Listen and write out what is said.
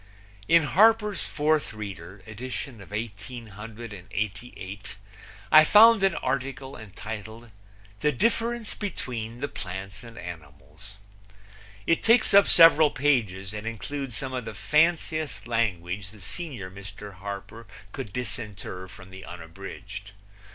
In Harper's Fourth Reader, edition of 1888, I found an article entitled The Difference Between the Plants and Animals. It takes up several pages and includes some of the fanciest language the senior Mr. Harper could disinter from the Unabridged.